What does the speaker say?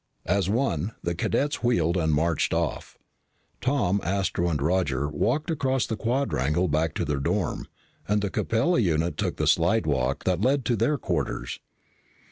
As one, the cadets wheeled and marched off. Tom, Astro, and Roger walked across the quadrangle back to their dorm, and the Capella unit took the slidewalk that led to their quarters.